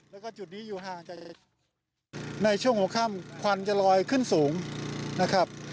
แล้วก็จุดนี้อยู่ห่างจากจังหวัด๒๐กิโลเมตรควันจะลอยขึ้นสูงนะครับ